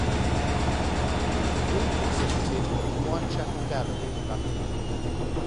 The group exhibited at the Whitechapel gallery in London.